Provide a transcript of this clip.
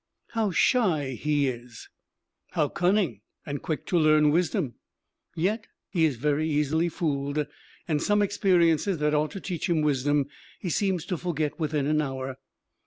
How shy he is! How cunning and quick to learn wisdom! Yet he is very easily fooled; and some experiences that ought to teach him wisdom he seems to forget within an hour.